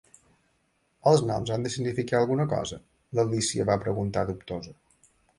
"Els noms han de significar alguna cosa?", l'Alícia va preguntar dubtosa.